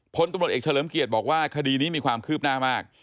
พลตำรวจเอกเฉลิมเกียรติบอกว่าคดีนี้มีความคืบหน้ามาก